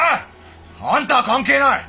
あんたは関係ない！